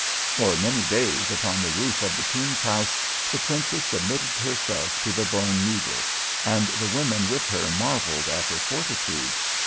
For many days, upon the roof of the King's house, the Princess submitted herself to the bone needle, and the women with her marvelled at her fortitude.